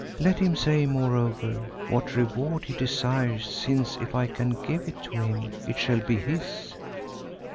Let him say moreover what reward he desires since if I can give it to him, it shall be his."